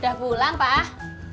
udah pulang pak